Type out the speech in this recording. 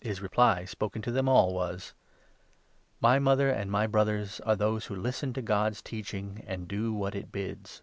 His reply, spoken to them all, was : 21 " My mother and my brothers are those who listen to God's teaching and do what it bids."